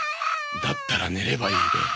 だったら寝ればいいべ。